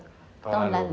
foto tahun lalu